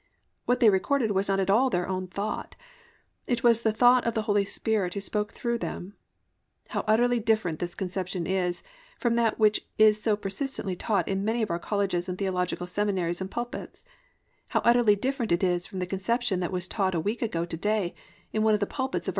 What they recorded was not at all their own thought, it was the thought of the Holy Spirit who spoke through them. How utterly different this conception is from that which is so persistently taught in many of our colleges and theological seminaries and pulpits,—how utterly different it is from the conception that was taught a week ago to day in one of the pulpits of our own city.